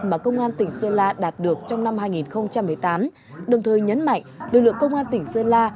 mà công an tỉnh sơn la đạt được trong năm hai nghìn một mươi tám đồng thời nhấn mạnh lực lượng công an tỉnh sơn la